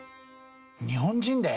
日本人で？